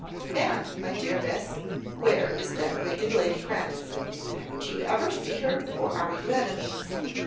And, my dear miss, where is that wicked Lady Grandison? Do you ever see her, or are you enemies?